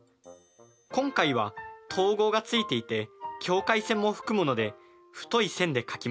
今回は等号がついていて境界線も含むので太い線で書きます。